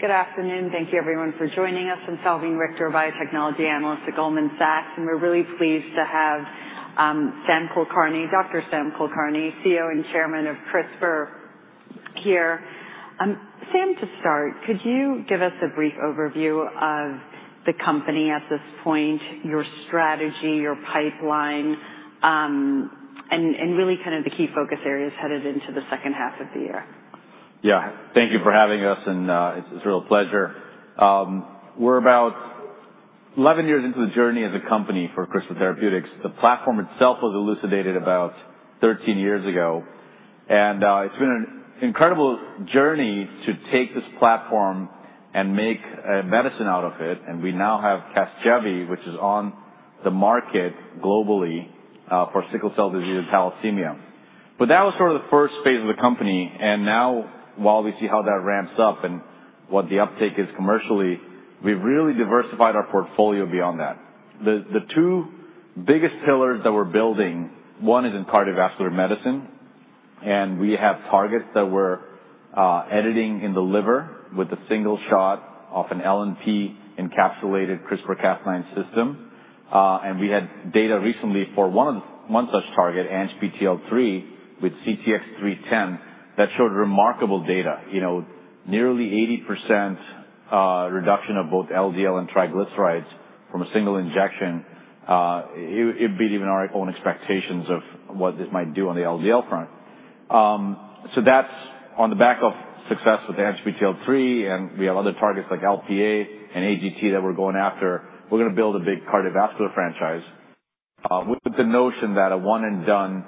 Good afternoon. Thank you, everyone, for joining us. I'm Salveen Richter, a biotechnology analyst at Goldman Sachs, and we're really pleased to have Dr. Sam Kulkarni, CEO and Chairman of CRISPR, here. Sam, to start, could you give us a brief overview of the company at this point, your strategy, your pipeline, and really kind of the key focus areas headed into the second half of the year? Yeah. Thank you for having us, and it's a real pleasure. We're about 11 years into the journey as a company for CRISPR Therapeutics. The platform itself was elucidated about 13 years ago, and it's been an incredible journey to take this platform and make medicine out of it. We now have CASGEVY, which is on the market globally for sickle cell disease and thalassemia. That was sort of the first phase of the company. Now, while we see how that ramps up and what the uptake is commercially, we've really diversified our portfolio beyond that. The two biggest pillars that we're building, one is in cardiovascular medicine, and we have targets that we're editing in the liver with a single shot of an LNP-encapsulated CRISPR-Cas9 system. We had data recently for one such target, ANGPTL3 with CTX310, that showed remarkable data, nearly 80% reduction of both LDL and triglycerides from a single injection. It beat even our own expectations of what this might do on the LDL front. That is on the back of success with ANGPTL3, and we have other targets like Lp(a) and AGT that we're going after. We're going to build a big cardiovascular franchise with the notion that a one-and-done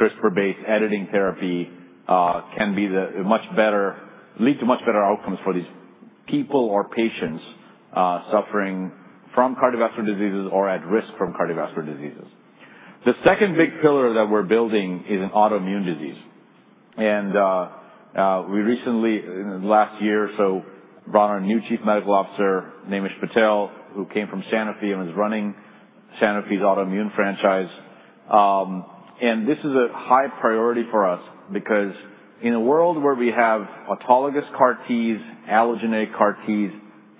CRISPR-based editing therapy can lead to much better outcomes for these people or patients suffering from cardiovascular diseases or at risk from cardiovascular diseases. The second big pillar that we're building is in autoimmune disease. We recently, in the last year or so, brought on a new Chief Medical Officer, Naimish Patel, who came from Sanofi and was running Sanofi's autoimmune franchise. This is a high priority for us because, in a world where we have autologous CAR-Ts, allogeneic CAR-Ts,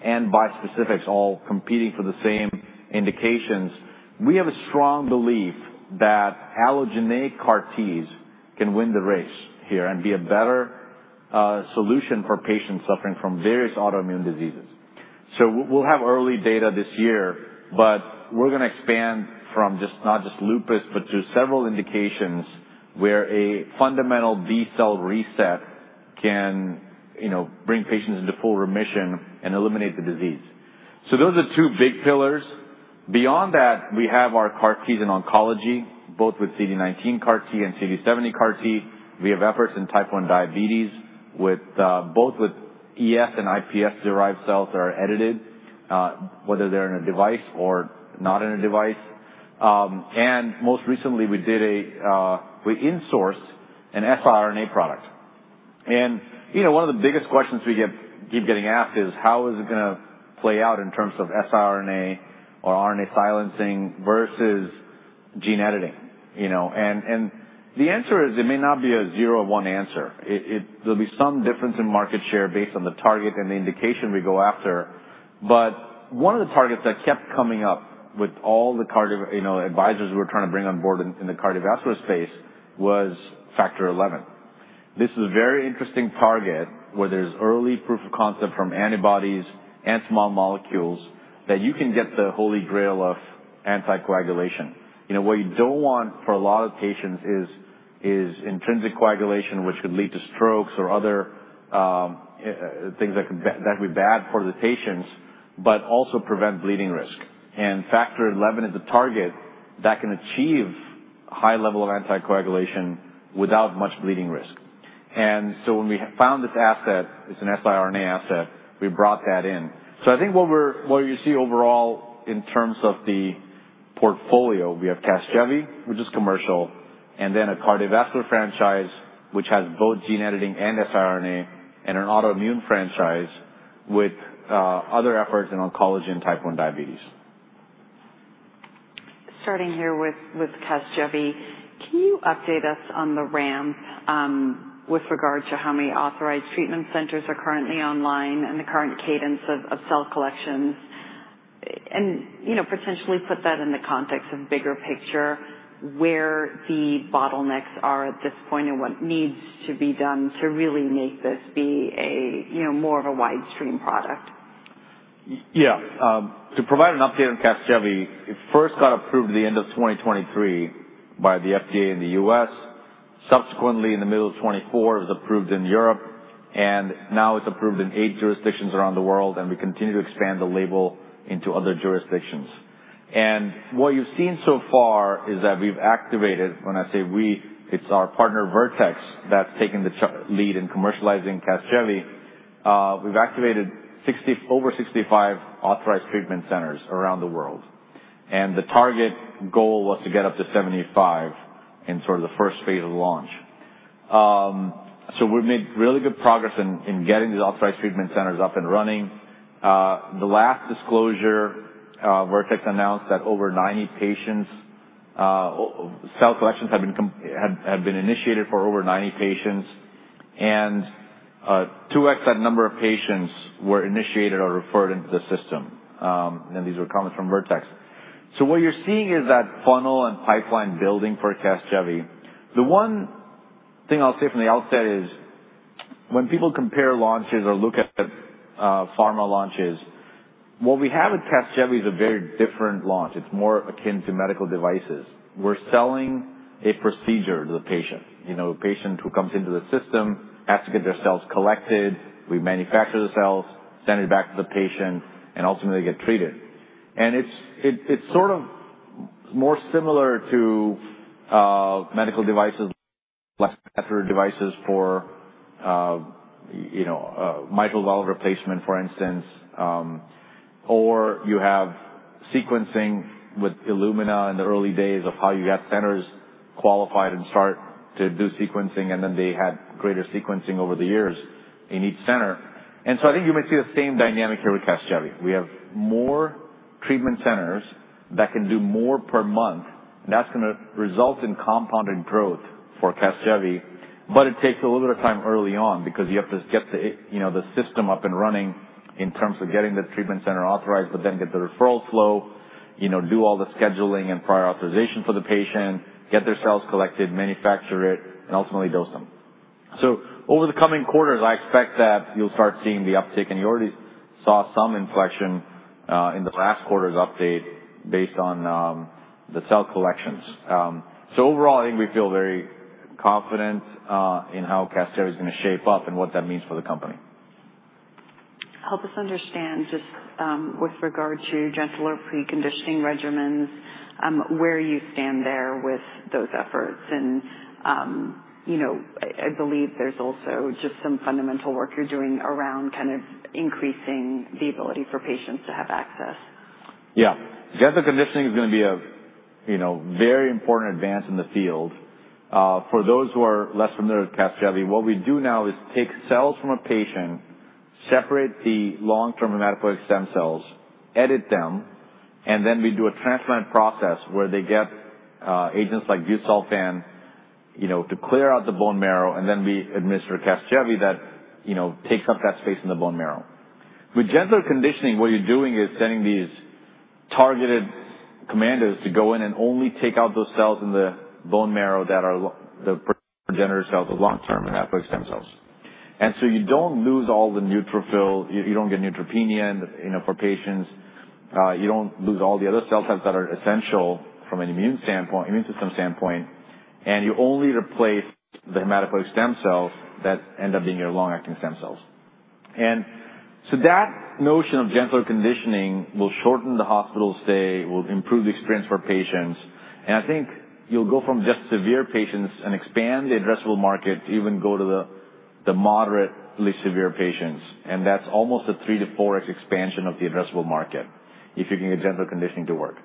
and bispecifics all competing for the same indications, we have a strong belief that allogeneic CAR-Ts can win the race here and be a better solution for patients suffering from various autoimmune diseases. We'll have early data this year, but we're going to expand from not just lupus, but to several indications where a fundamental B-cell reset can bring patients into full remission and eliminate the disease. Those are two big pillars. Beyond that, we have our CAR-Ts in oncology, both with CD19 CAR-T and CD70 CAR-T. We have efforts in type 1 diabetes, both with ES and iPS-derived cells that are edited, whether they're in a device or not in a device. Most recently, we insourced an siRNA product. One of the biggest questions we keep getting asked is, how is it going to play out in terms of siRNA or RNA silencing versus gene editing? The answer is, it may not be a zero-to-one answer. There will be some difference in market share based on the target and the indication we go after. One of the targets that kept coming up with all the advisors we are trying to bring on board in the cardiovascular space was Factor XI. This is a very interesting target where there is early proof of concept from antibodies and small molecules that you can get the holy grail of anticoagulation. What you do not want for a lot of patients is intrinsic coagulation, which could lead to strokes or other things that could be bad for the patients, but also prevent bleeding risk. Factor XI is a target that can achieve a high level of anticoagulation without much bleeding risk. When we found this asset, it's an siRNA asset, we brought that in. I think what you see overall in terms of the portfolio, we have CASGEVY, which is commercial, and then a cardiovascular franchise, which has both gene editing and siRNA, and an autoimmune franchise with other efforts in oncology and type 1 diabetes. Starting here with CASGEVY, can you update us on the ramp with regard to how many authorized treatment centers are currently online and the current cadence of cell collections? Can you potentially put that in the context of bigger picture, where the bottlenecks are at this point and what needs to be done to really make this be more of a widestream product? Yeah. To provide an update on CASGEVY, it first got approved at the end of 2023 by the FDA in the U.S. Subsequently, in the middle of 2024, it was approved in Europe, and now it's approved in eight jurisdictions around the world, and we continue to expand the label into other jurisdictions. What you've seen so far is that we've activated, when I say we, it's our partner Vertex that's taken the lead in commercializing CASGEVY. We've activated over 65 authorized treatment centers around the world. The target goal was to get up to 75 in sort of the first phase of launch. We've made really good progress in getting these authorized treatment centers up and running. The last disclosure, Vertex announced that over 90 patients' cell collections had been initiated for over 90 patients, and 2x that number of patients were initiated or referred into the system. These were comments from Vertex. What you are seeing is that funnel and pipeline building for CASGEVY. The one thing I will say from the outset is, when people compare launches or look at pharma launches, what we have at CASGEVY is a very different launch. It is more akin to medical devices. We are selling a procedure to the patient. A patient who comes into the system has to get their cells collected. We manufacture the cells, send it back to the patient, and ultimately get treated. It is sort of more similar to medical devices, like catheter devices for mitral valve replacement, for instance, or you have sequencing with Illumina in the early days of how you had centers qualified and start to do sequencing, and then they had greater sequencing over the years in each center. I think you may see the same dynamic here with CASGEVY. We have more treatment centers that can do more per month, and that is going to result in compounding growth for CASGEVY, but it takes a little bit of time early on because you have to get the system up and running in terms of getting the treatment center authorized, but then get the referral flow, do all the scheduling and prior authorization for the patient, get their cells collected, manufacture it, and ultimately dose them. Over the coming quarters, I expect that you'll start seeing the uptake, and you already saw some inflection in the last quarter's update based on the cell collections. Overall, I think we feel very confident in how CASGEVY is going to shape up and what that means for the company. Help us understand just with regard to gentler preconditioning regimens, where you stand there with those efforts. I believe there's also just some fundamental work you're doing around kind of increasing the ability for patients to have access. Yeah. Gentle conditioning is going to be a very important advance in the field. For those who are less familiar with CASGEVY, what we do now is take cells from a patient, separate the long-term hematopoietic stem cells, edit them, and then we do a transplant process where they get agents like busulfan to clear out the bone marrow, and then we administer CASGEVY that takes up that space in the bone marrow. With gentler conditioning, what you're doing is sending these targeted commandos to go in and only take out those cells in the bone marrow that are the progenitor cells of long-term hematopoietic stem cells. You do not lose all the neutrophils, you do not get neutropenia for patients, you do not lose all the other cell types that are essential from an immune system standpoint, and you only replace the hematopoietic stem cells that end up being your long-acting stem cells. That notion of gentler conditioning will shorten the hospital stay, will improve the experience for patients. I think you will go from just severe patients and expand the addressable market to even go to the moderately severe patients. That is almost a 3x-4x expansion of the addressable market if you can get gentle conditioning to work.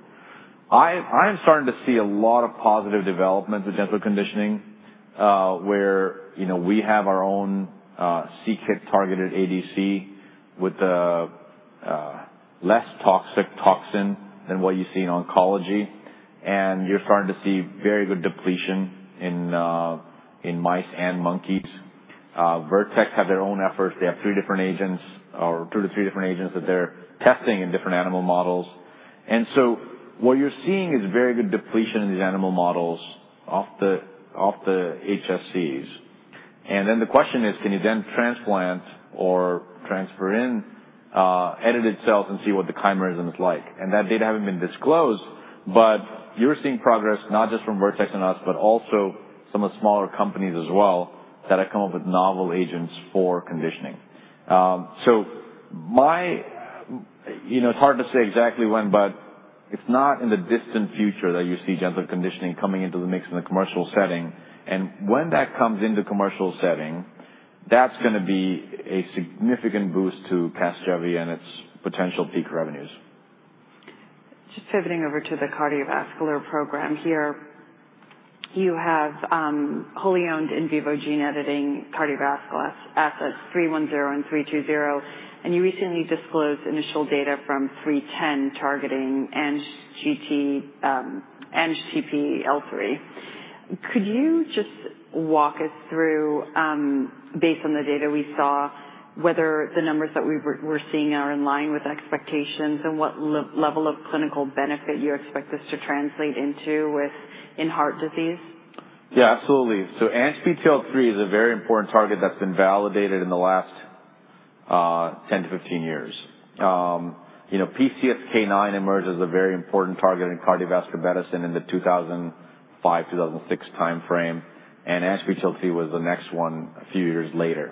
I am starting to see a lot of positive developments with gentle conditioning where we have our own c-KIT-targeted ADC with less toxic toxin than what you see in oncology. You are starting to see very good depletion in mice and monkeys. Vertex have their own efforts. They have two to three different agents that they're testing in different animal models. What you're seeing is very good depletion in these animal models of the HSCs. The question is, can you then transplant or transfer in edited cells and see what the chimerism is like? That data hasn't been disclosed, but you're seeing progress not just from Vertex and us, but also some of the smaller companies as well that have come up with novel agents for conditioning. It's hard to say exactly when, but it's not in the distant future that you see gentle conditioning coming into the mix in the commercial setting. When that comes into commercial setting, that's going to be a significant boost to CASGEVY and its potential peak revenues. Just pivoting over to the cardiovascular program here. You have wholly owned in vivo gene editing cardiovascular assets, 310 and 320, and you recently disclosed initial data from 310 targeting ANGPTL3. Could you just walk us through, based on the data we saw, whether the numbers that we were seeing are in line with expectations and what level of clinical benefit you expect this to translate into within heart disease? Yeah, absolutely. ANGPTL3 is a very important target that's been validated in the last 10 to 15 years. PCSK9 emerged as a very important target in cardiovascular medicine in the 2005, 2006 timeframe, and ANGPTL3 was the next one a few years later.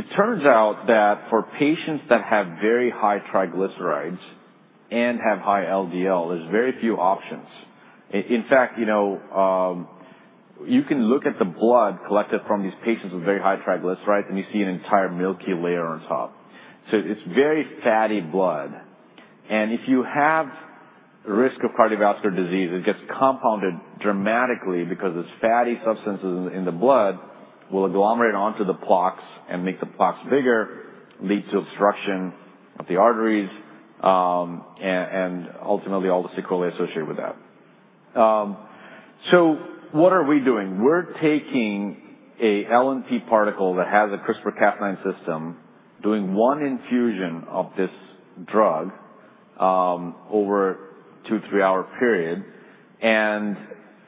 It turns out that for patients that have very high triglycerides and have high LDL, there's very few options. In fact, you can look at the blood collected from these patients with very high triglycerides, and you see an entire milky layer on top. It is very fatty blood. If you have risk of cardiovascular disease, it gets compounded dramatically because those fatty substances in the blood will agglomerate onto the plaques and make the plaques bigger, lead to obstruction of the arteries, and ultimately all the sequelae associated with that. What are we doing? We're taking an LNP particle that has a CRISPR-Cas9 system, doing one infusion of this drug over a two to three hour period, and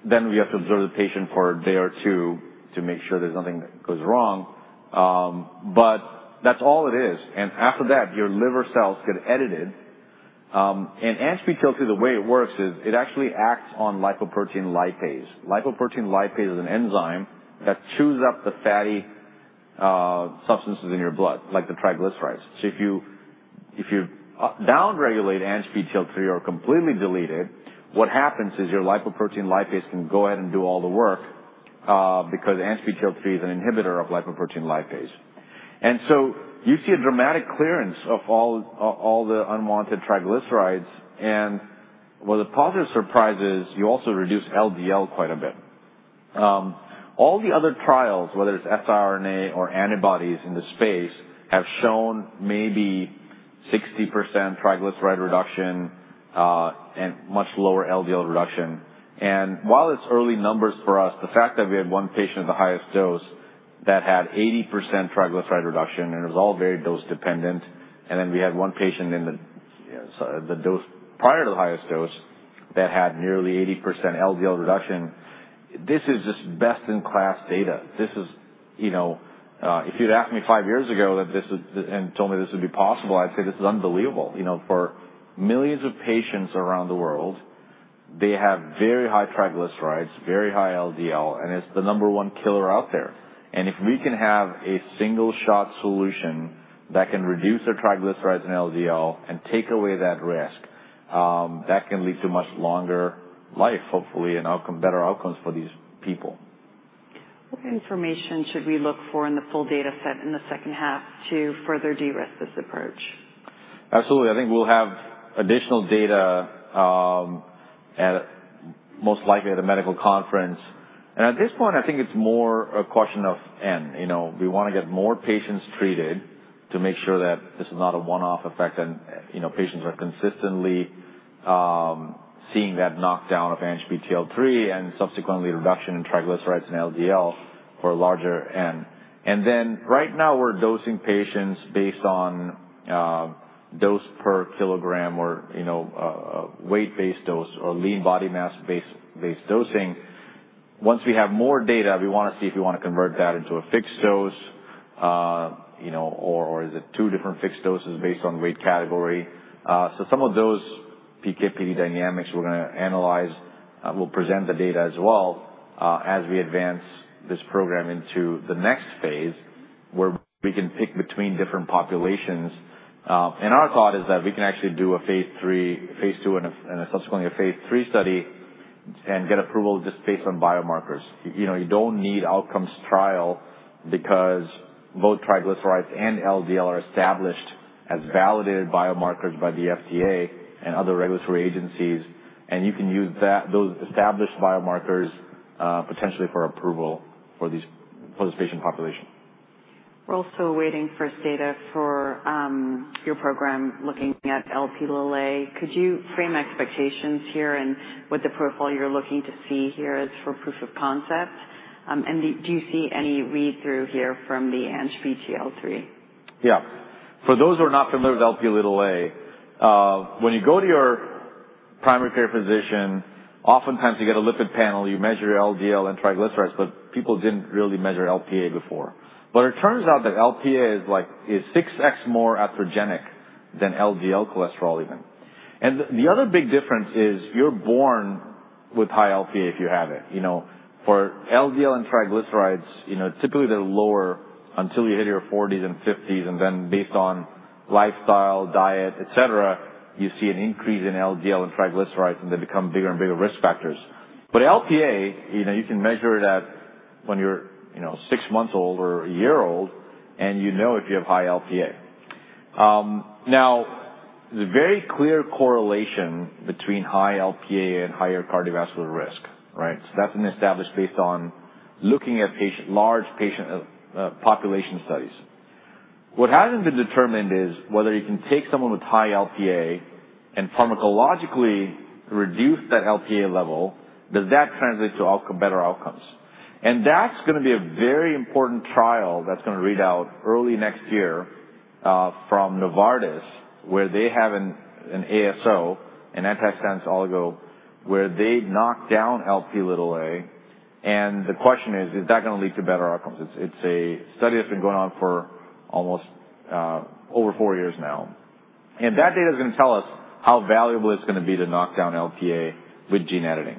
then we have to observe the patient for a day or two to make sure there's nothing that goes wrong. That is all it is. After that, your liver cells get edited. ANGPTL3, the way it works is it actually acts on lipoprotein lipase. Lipoprotein lipase is an enzyme that chews up the fatty substances in your blood, like the triglycerides. If you downregulate ANGPTL3 or completely delete it, what happens is your lipoprotein lipase can go ahead and do all the work because ANGPTL3 is an inhibitor of lipoprotein lipase. You see a dramatic clearance of all the unwanted triglycerides. What the positive surprise is, you also reduce LDL quite a bit. All the other trials, whether it's siRNA or antibodies in the space, have shown maybe 60% triglyceride reduction and much lower LDL reduction. While it's early numbers for us, the fact that we had one patient at the highest dose that had 80% triglyceride reduction, and it was all very dose-dependent, and then we had one patient in the dose prior to the highest dose that had nearly 80% LDL reduction, this is just best-in-class data. If you'd asked me five years ago and told me this would be possible, I'd say this is unbelievable. For millions of patients around the world, they have very high triglycerides, very high LDL, and it's the number one killer out there. If we can have a single-shot solution that can reduce their triglycerides and LDL and take away that risk, that can lead to much longer life, hopefully, and better outcomes for these people. What information should we look for in the full data set in the second half to further de-risk this approach? Absolutely. I think we'll have additional data, most likely at a medical conference. At this point, I think it's more a question of, and we want to get more patients treated to make sure that this is not a one-off effect and patients are consistently seeing that knockdown of ANGPTL3 and subsequently reduction in triglycerides and LDL for a larger end. Right now, we're dosing patients based on dose per kilogram or weight-based dose or lean body mass-based dosing. Once we have more data, we want to see if we want to convert that into a fixed dose or is it two different fixed doses based on weight category. Some of those PK/PD dynamics we're going to analyze will present the data as well as we advance this program into the next phase where we can pick between different populations. Our thought is that we can actually do a phase II, and subsequently a phase three study and get approval just based on biomarkers. You don't need outcomes trial because both triglycerides and LDL are established as validated biomarkers by the FDA and other regulatory agencies, and you can use those established biomarkers potentially for approval for this patient population. We're also awaiting first data for your program looking at Lp(a). Could you frame expectations here and what the profile you're looking to see here is for proof of concept? Do you see any read-through here from the ANGPTL3? Yeah. For those who are not familiar with Lp(a), when you go to your primary care physician, oftentimes you get a lipid panel, you measure LDL and triglycerides, but people did not really measure Lp(a) before. It turns out that Lp(a) is six times more atherogenic than LDL cholesterol even. The other big difference is you are born with high Lp(a) if you have it. For LDL and triglycerides, typically they are lower until you hit your 40s and 50s, and then based on lifestyle, diet, etc., you see an increase in LDL and triglycerides, and they become bigger and bigger risk factors. Lp(a), you can measure it when you are six months old or a year old, and you know if you have high Lp(a). Now, there is a very clear correlation between high Lp(a) and higher cardiovascular risk, right? That's been established based on looking at large patient population studies. What hasn't been determined is whether you can take someone with high Lp(a) and pharmacologically reduce that Lp(a) level, does that translate to better outcomes? That's going to be a very important trial that's going to read out early next year from Novartis, where they have an ASO, an antisense oligo, where they knocked down Lp(a). The question is, is that going to lead to better outcomes? It's a study that's been going on for almost over four years now. That data is going to tell us how valuable it's going to be to knock down Lp(a) with gene editing.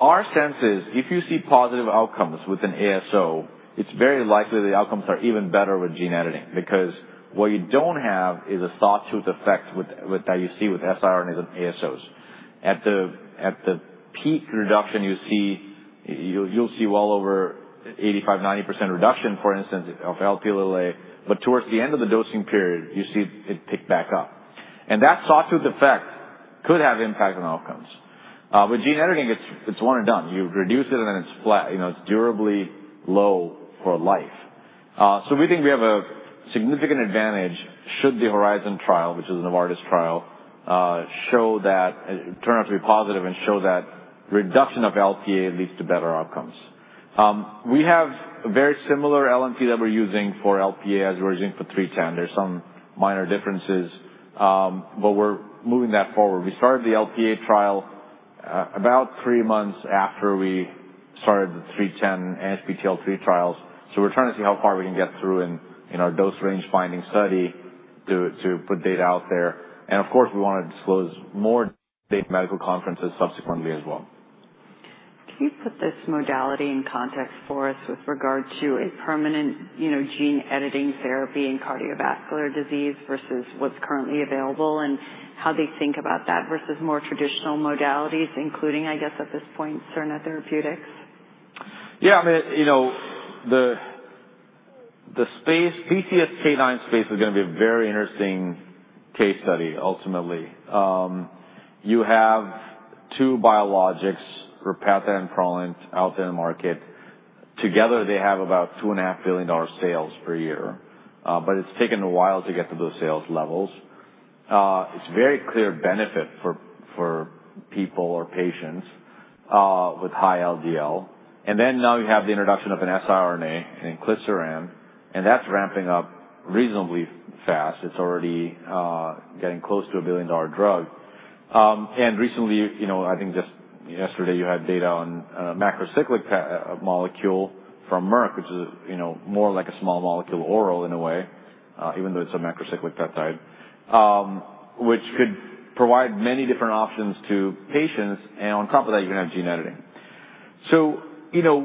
Our sense is if you see positive outcomes with an ASO, it's very likely the outcomes are even better with gene editing because what you don't have is a sawtooth effect that you see with siRNAs and ASOs. At the peak reduction, you'll see well over 85%-90% reduction, for instance, of Lp(a), but towards the end of the dosing period, you see it pick back up. That sawtooth effect could have impact on outcomes. With gene editing, it's one and done. You reduce it, and then it's durably low for life. We think we have a significant advantage should the Horizon trial, which is the Novartis trial, turn out to be positive and show that reduction of Lp(a) leads to better outcomes. We have a very similar LNP that we're using for Lp(a) as we're using for 310. There's some minor differences, but we're moving that forward. We started the Lp(a) trial about three months after we started the 310 ANGPTL3 trials. We are trying to see how far we can get through in our dose range finding study to put data out there. Of course, we want to disclose more data at medical conferences subsequently as well. Can you put this modality in context for us with regard to a permanent gene editing therapy in cardiovascular disease versus what's currently available and how they think about that versus more traditional modalities, including, I guess, at this point, siRNA therapeutics? Yeah. I mean, the PCSK9 space is going to be a very interesting case study, ultimately. You have two biologics, Repatha and Praluent, out there in the market. Together, they have about $2.5 billion sales per year, but it's taken a while to get to those sales levels. It's a very clear benefit for people or patients with high LDL. And then now you have the introduction of an siRNA and inclisiran, and that's ramping up reasonably fast. It's already getting close to $1 billion drug. And recently, I think just yesterday, you had data on a macrocyclic molecule from Merck, which is more like a small molecule oral in a way, even though it's a macrocyclic peptide, which could provide many different options to patients. And on top of that, you're going to have gene editing. So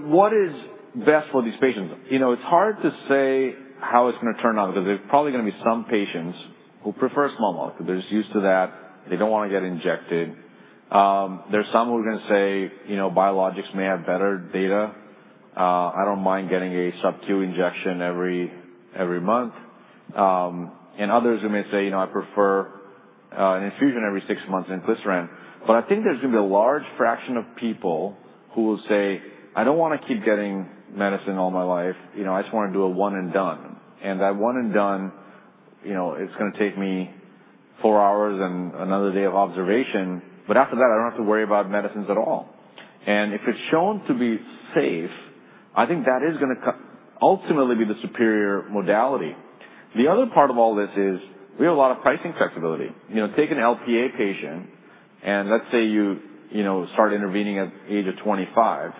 what is best for these patients? It's hard to say how it's going to turn out because there's probably going to be some patients who prefer a small molecule. They're just used to that. They don't want to get injected. There are some who are going to say biologics may have better data. I don't mind getting a sub-Q injection every month. Others may say, "I prefer an infusion every six months and glycerin." I think there's going to be a large fraction of people who will say, "I don't want to keep getting medicine all my life. I just want to do a one and done." That one and done, it's going to take me four hours and another day of observation, but after that, I don't have to worry about medicines at all. If it's shown to be safe, I think that is going to ultimately be the superior modality. The other part of all this is we have a lot of pricing flexibility. Take an Lp(a) patient, and let's say you start intervening at the age of 25.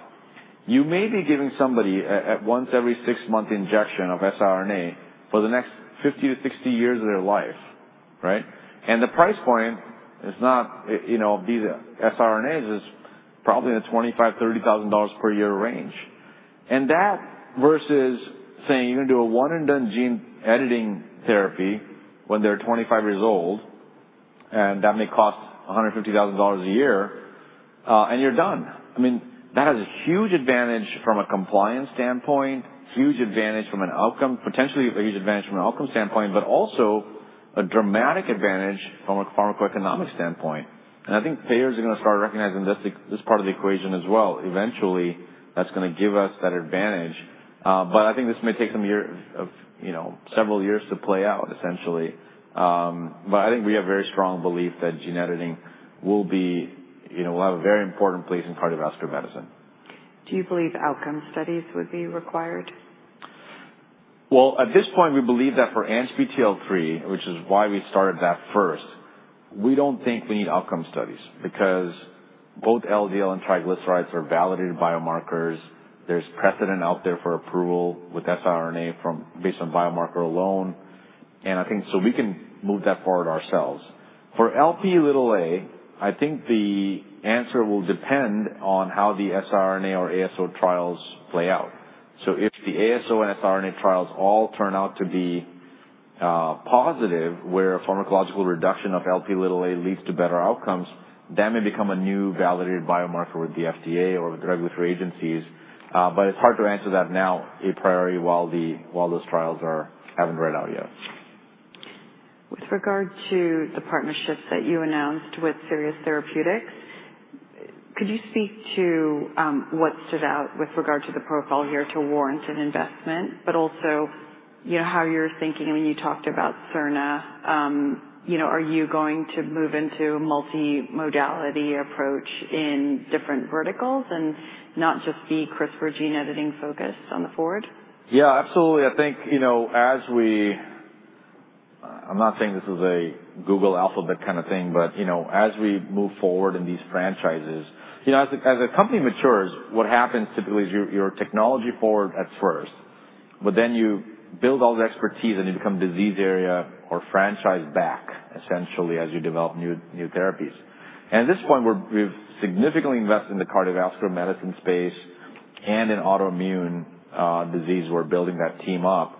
You may be giving somebody a once-every-six-month injection of siRNA for the next 50-60 years of their life, right? And the price point is not these siRNAs is probably in the $25,000-$30,000 per year range. That versus saying you're going to do a one-and-done gene editing therapy when they're 25 years old, and that may cost $150,000 a year, and you're done. I mean, that has a huge advantage from a compliance standpoint, huge advantage from an outcome, potentially a huge advantage from an outcome standpoint, but also a dramatic advantage from a pharmacoeconomic standpoint. I think payers are going to start recognizing this part of the equation as well. Eventually, that's going to give us that advantage. I think this may take several years to play out, essentially. I think we have very strong belief that gene editing will have a very important place in cardiovascular medicine. Do you believe outcome studies would be required? At this point, we believe that for ANGPTL3, which is why we started that first, we do not think we need outcome studies because both LDL and triglycerides are validated biomarkers. There is precedent out there for approval with siRNA based on biomarker alone. I think we can move that forward ourselves. For Lp(a), I think the answer will depend on how the siRNA or ASO trials play out. If the ASO and siRNA trials all turn out to be positive, where a pharmacological reduction of Lp(a) leads to better outcomes, that may become a new validated biomarker with the FDA or with the regulatory agencies. It is hard to answer that now a priori while those trials have not read out yet. With regard to the partnership that you announced with Sirius Therapeutics, could you speak to what stood out with regard to the profile here to warrant an investment, but also how you're thinking when you talked about CRNA? Are you going to move into a multi-modality approach in different verticals and not just be CRISPR gene editing focused on the forward? Yeah, absolutely. I think as we—I am not saying this is a Google Alphabet kind of thing, but as we move forward in these franchises, as a company matures, what happens typically is you are technology forward at first, but then you build all the expertise and you become disease area or franchise back, essentially, as you develop new therapies. At this point, we have significantly invested in the cardiovascular medicine space and in autoimmune disease. We are building that team up.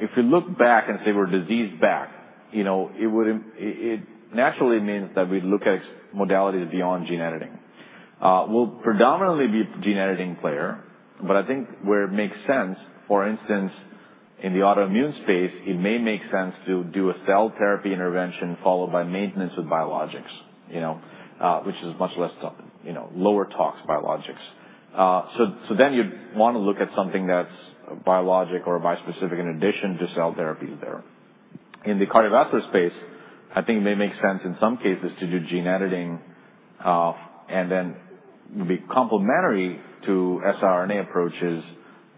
If we look back and say we are disease back, it naturally means that we look at modalities beyond gene editing. We will predominantly be a gene editing player, but I think where it makes sense, for instance, in the autoimmune space, it may make sense to do a cell therapy intervention followed by maintenance with biologics, which is much less lower-tox biologics. You'd want to look at something that's biologic or bispecific in addition to cell therapies there. In the cardiovascular space, I think it may make sense in some cases to do gene editing, and then it would be complementary to siRNA approaches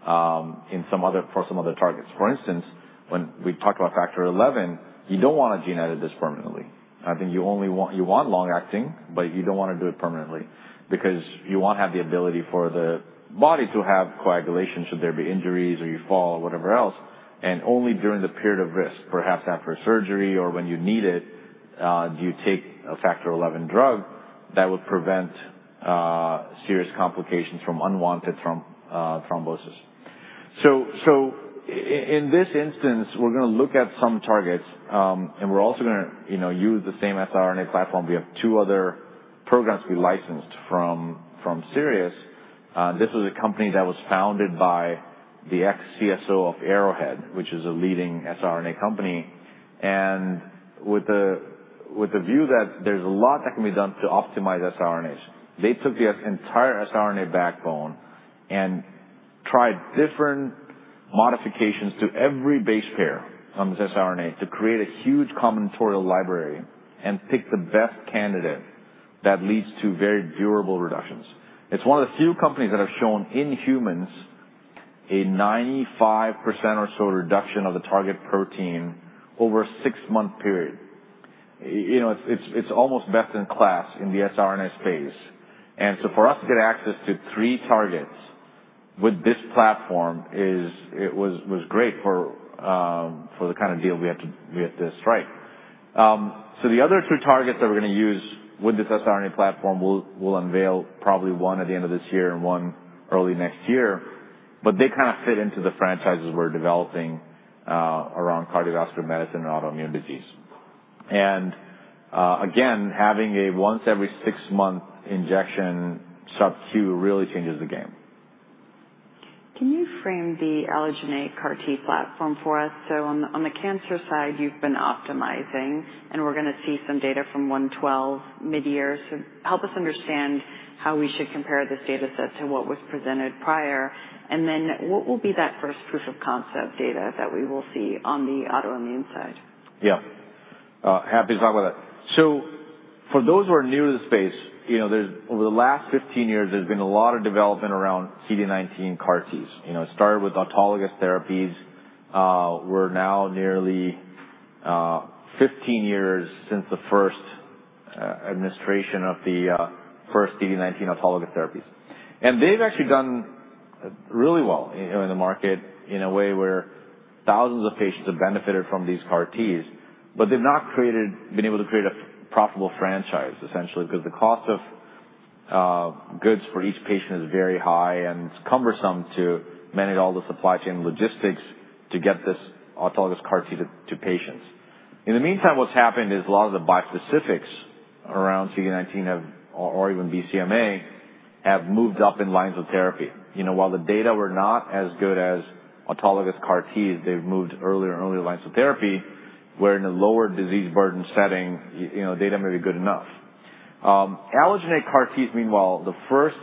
for some other targets. For instance, when we talked about Factor XI, you don't want to gene edit this permanently. I think you want long-acting, but you don't want to do it permanently because you want to have the ability for the body to have coagulation should there be injuries or you fall or whatever else. Only during the period of risk, perhaps after surgery or when you need it, do you take a Factor XI drug that would prevent serious complications from unwanted thrombosis. In this instance, we're going to look at some targets, and we're also going to use the same siRNA platform. We have two other programs we licensed from Sirius. This was a company that was founded by the ex-CSO of Arrowhead, which is a leading siRNA company. With the view that there's a lot that can be done to optimize siRNAs, they took the entire siRNA backbone and tried different modifications to every base pair on this siRNA to create a huge combinatorial library and pick the best candidate that leads to very durable reductions. It's one of the few companies that have shown in humans a 95% or so reduction of the target protein over a six-month period. It's almost best in class in the siRNA space. For us to get access to three targets with this platform was great for the kind of deal we had to strike. The other two targets that we're going to use with this siRNA platform, we'll unveil probably one at the end of this year and one early next year, but they kind of fit into the franchises we're developing around cardiovascular medicine and autoimmune disease. Again, having a once-every-six-month injection sub-Q really changes the game. Can you frame the allogeneic CAR-T platform for us? On the cancer side, you've been optimizing, and we're going to see some data from 112 mid-year. Help us understand how we should compare this data set to what was presented prior. What will be that first proof of concept data that we will see on the autoimmune side? Yeah. Happy to talk about that. For those who are new to the space, over the last 15 years, there's been a lot of development around CD19 CAR-Ts. It started with autologous therapies. We're now nearly 15 years since the first administration of the first CD19 autologous therapies. They've actually done really well in the market in a way where thousands of patients have benefited from these CAR-Ts, but they've not been able to create a profitable franchise, essentially, because the cost of goods for each patient is very high, and it's cumbersome to manage all the supply chain logistics to get this autologous CAR-T to patients. In the meantime, what's happened is a lot of the bispecifics around CD19 or even BCMA have moved up in lines of therapy. While the data were not as good as autologous CAR-Ts, they've moved earlier and earlier lines of therapy, where in a lower disease burden setting, data may be good enough. Allogeneic CAR-Ts, meanwhile, the first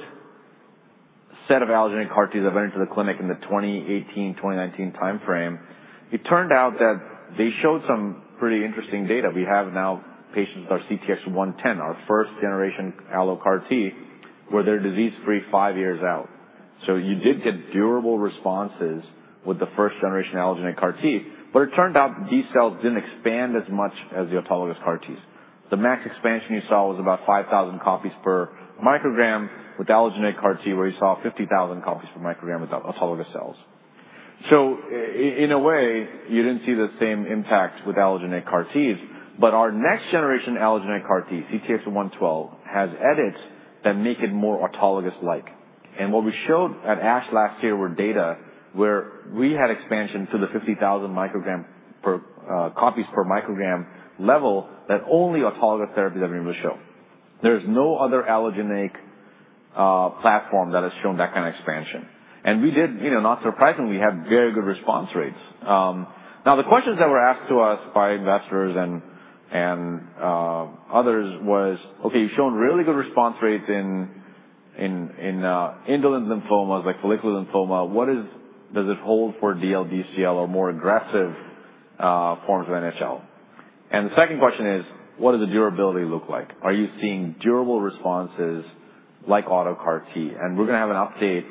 set of allogeneic CAR-Ts that went into the clinic in the 2018, 2019 timeframe, it turned out that they showed some pretty interesting data. We have now patients with our CTX110, our first-generation allogeneic CAR-T, where they're disease-free five years out. You did get durable responses with the first-generation allogeneic CAR-T, but it turned out these cells did not expand as much as the autologous CAR-Ts. The max expansion you saw was about 5,000 copies per microgram with allogeneic CAR-T, where you saw 50,000 copies per microgram with autologous cells. In a way, you didn't see the same impact with allogeneic CAR-Ts, but our next-generation allogeneic CAR-T, CTX112, has edits that make it more autologous-like. What we showed at ASH last year were data where we had expansion to the 50,000 microgram copies per microgram level that only autologous therapies have been able to show. There is no other allogeneic platform that has shown that kind of expansion. We did, not surprisingly, have very good response rates. The questions that were asked to us by investors and others were, "Okay, you've shown really good response rates in indolent lymphomas like follicular lymphoma. What does it hold for DLBCL or more aggressive forms of NHL?" The second question is, "What does the durability look like? Are you seeing durable responses like autologous CAR-T? We are going to have an update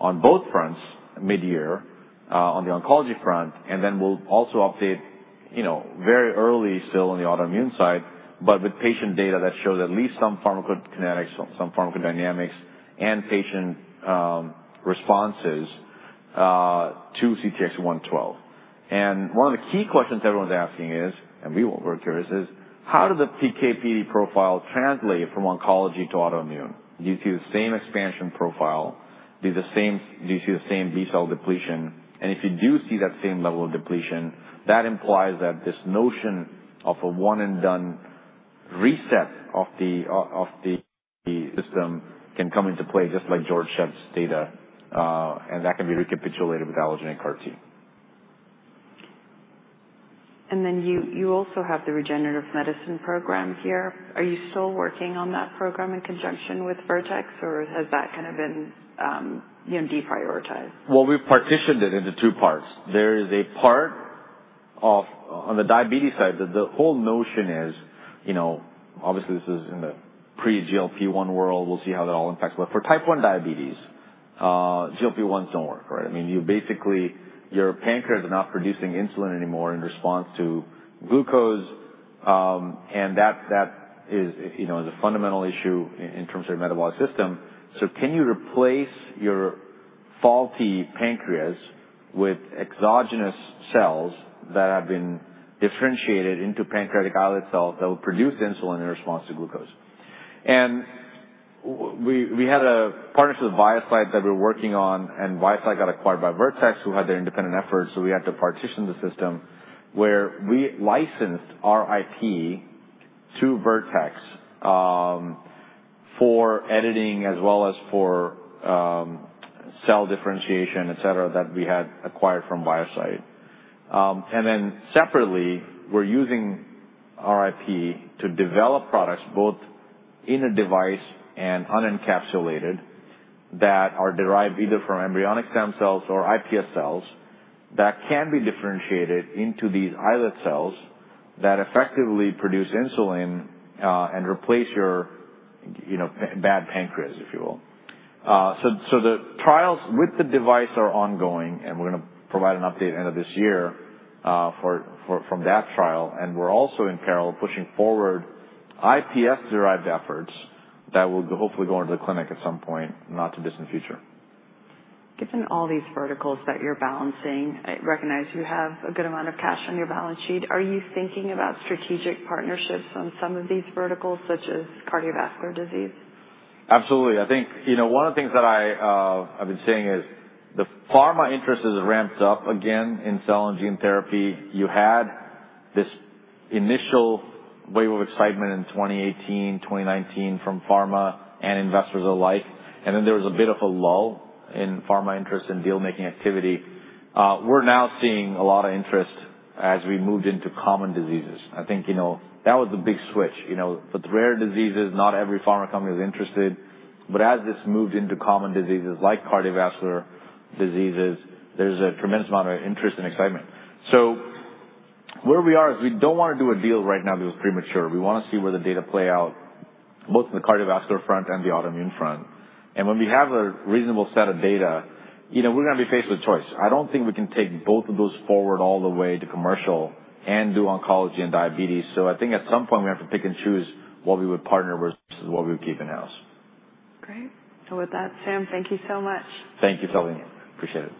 on both fronts mid-year on the oncology front, and then we will also update very early still on the autoimmune side, but with patient data that shows at least some pharmacokinetics, some pharmacodynamics, and patient responses to CTX112. One of the key questions everyone's asking is, and we are curious, is how does the PK/PD profile translate from oncology to autoimmune? Do you see the same expansion profile? Do you see the same B-cell depletion? If you do see that same level of depletion, that implies that this notion of a one-and-done reset of the system can come into play, just like George Church's data, and that can be recapitulated with allogeneic CAR-T. You also have the regenerative medicine program here. Are you still working on that program in conjunction with Vertex, or has that kind of been deprioritized? We have partitioned it into two parts. There is a part on the diabetes side that the whole notion is, obviously, this is in the pre-GLP-1 world. We will see how that all impacts. For type 1 diabetes, GLP-1s do not work, right? I mean, basically, your pancreas is not producing insulin anymore in response to glucose, and that is a fundamental issue in terms of your metabolic system. Can you replace your faulty pancreas with exogenous cells that have been differentiated into pancreatic islet cells that will produce insulin in response to glucose? We had a partnership with ViaCyte that we were working on, and ViaCyte got acquired by Vertex, who had their independent efforts. We had to partition the system, where we licensed RIP to Vertex for editing as well as for cell differentiation, etc., that we had acquired from ViaCyte. We're using RIP to develop products both in a device and unencapsulated that are derived either from embryonic stem cells or iPS cells that can be differentiated into these islet cells that effectively produce insulin and replace your bad pancreas, if you will. The trials with the device are ongoing, and we're going to provide an update at the end of this year from that trial. We're also in parallel pushing forward iPS-derived efforts that will hopefully go into the clinic at some point, not too distant future. Given all these verticals that you're balancing, I recognize you have a good amount of cash on your balance sheet. Are you thinking about strategic partnerships on some of these verticals, such as cardiovascular disease? Absolutely. I think one of the things that I've been saying is the pharma interest is ramped up again in cell and gene therapy. You had this initial wave of excitement in 2018, 2019 from pharma and investors alike, and then there was a bit of a lull in pharma interest and deal-making activity. We're now seeing a lot of interest as we moved into common diseases. I think that was the big switch. With rare diseases, not every pharma company was interested, but as this moved into common diseases like cardiovascular diseases, there's a tremendous amount of interest and excitement. Where we are is we don't want to do a deal right now that was premature. We want to see where the data play out, both on the cardiovascular front and the autoimmune front. When we have a reasonable set of data, we're going to be faced with a choice. I don't think we can take both of those forward all the way to commercial and do oncology and diabetes. I think at some point, we have to pick and choose what we would partner versus what we would keep in-house. Great. With that, Sam, thank you so much. Thank you for having me. Appreciate it.